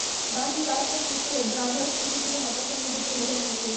বাকি কাজটা শেষ করে ব্রাদার্সকে কিছুটা হতাশার মধ্যে ঠেলে দেন মুকুল।